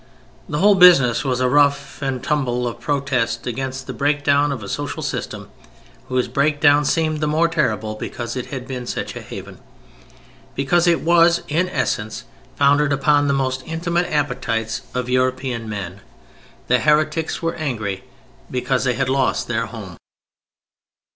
The whole business was a rough and tumble of protest against the breakdown of a social system whose breakdown seemed the more terrible because it had been such a haven! Because it was in essence founded upon the most intimate appetites of European men. The heretics were angry because they had lost their home.